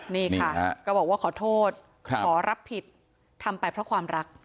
นี่ค่ะก็บอกว่าขอโทษขอรับผิดทำไปเพราะความรัก